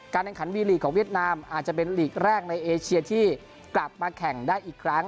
แข่งขันวีลีกของเวียดนามอาจจะเป็นลีกแรกในเอเชียที่กลับมาแข่งได้อีกครั้ง